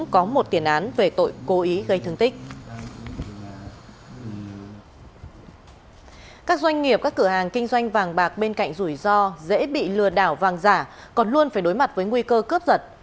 các doanh nghiệp các cửa hàng kinh doanh vàng bạc bên cạnh rủi ro dễ bị lừa đảo vàng giả còn luôn phải đối mặt với nguy cơ cướp giật